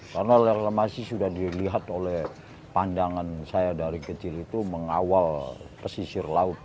karena reklamasi sudah dilihat oleh pandangan saya dari kecil itu mengawal pesisir laut